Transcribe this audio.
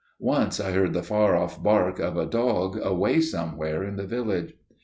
Once I heard the far off bark of a dog away somewhere in the village.